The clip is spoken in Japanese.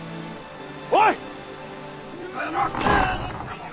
おい！